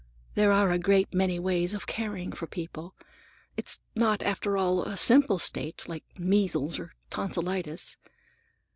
There are a great many ways of caring for people. It's not, after all, a simple state, like measles or tonsilitis.